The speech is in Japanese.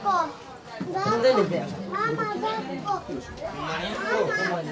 ほんまに？